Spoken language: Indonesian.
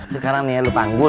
sekarang nih ya lu panggul